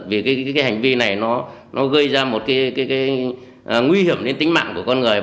vì cái hành vi này nó gây ra một cái nguy hiểm đến tính mạng của con người